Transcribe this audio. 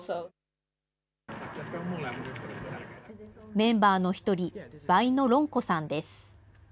メンバーの一人、ヴァイノ・ロンコさんです。